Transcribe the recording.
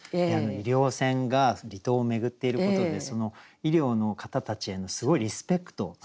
医療船が離島を巡っていることで医療の方たちへのすごいリスペクト彼らのハードワーク。